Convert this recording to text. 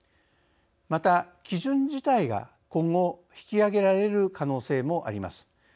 また、基準自体が今後、引き上げられる可能性もあります。